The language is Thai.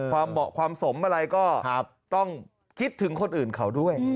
เหมาะความสมอะไรก็ต้องคิดถึงคนอื่นเขาด้วย